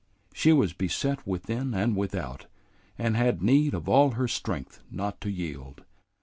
She was beset within and without, and had need of all her strength not to yield.